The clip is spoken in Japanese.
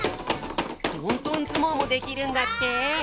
トントンずもうもできるんだって！